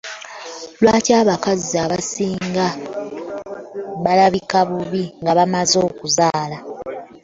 Lwaki abakazi abasinga balabika bubbi nga bamaze okuzaala?